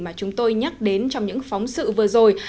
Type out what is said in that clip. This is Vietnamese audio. mà chúng tôi nhắc đến trong những phóng sự vừa rồi